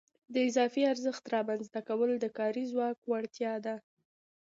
د اضافي ارزښت رامنځته کول د کاري ځواک وړتیا ده